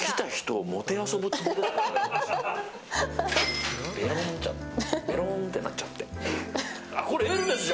べろーんってなっちゃって。